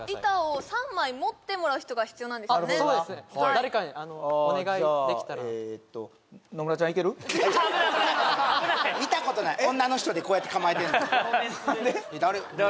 誰かにお願いできたらああじゃあえーと見たことない女の人でこうやって構えてんのえっ誰？